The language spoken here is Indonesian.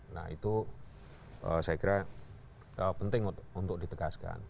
nah itu saya kira penting untuk ditegaskan